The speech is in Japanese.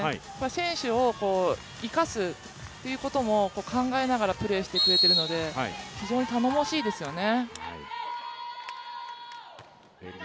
選手を生かすということも考えながらプレーしてくれているので非常に頼もしいですよね。